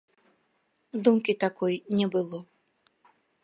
Думкі такой не было.